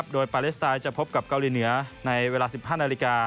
โดยปาเลสไตน์จะพบกับเกาหลีเหนือในเวลา๑๕นาฬิกา